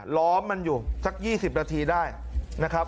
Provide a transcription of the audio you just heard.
ล้อมมันอยู่สัก๒๐นาทีได้นะครับ